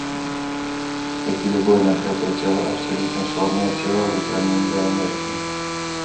Як і любое нагрэтае цела, абсалютна чорнае цела выпраменьвае энергію.